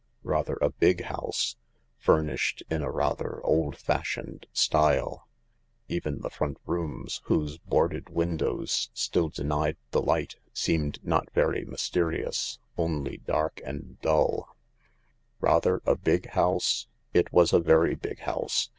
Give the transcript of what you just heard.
Rather a big house, furnished in a rather old fashioned style. Even the front rooms, whose boarded windows still denied the light, seemed not very mysterious, only dark and dull. 156 THE LARK Rather a big house ? It was a very big house.